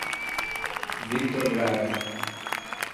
Victor Graeff